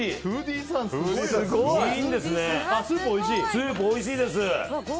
スープおいしいです！